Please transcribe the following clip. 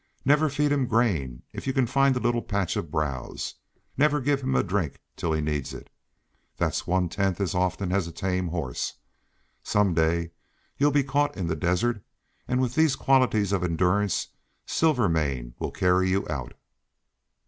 Never feed him grain if you can find a little patch of browse; never give him a drink till he needs it. That's one tenth as often as a tame horse. Some day you'll be caught in the desert, and with these qualities of endurance Silvermane will carry you out."